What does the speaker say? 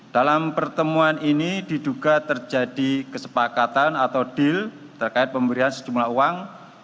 dalam pertemuan ini diduga terjadi kesepakatan atau deal terkait pemberian sejumlah uang